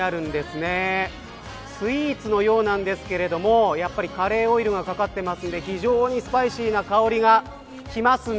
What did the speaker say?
スイーツのようなんですけどやっぱりカレーオイルがかかっていて非常にスパイシーな香りがしますね。